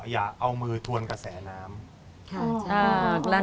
อย่าเอามือทวนกระแสน้ำ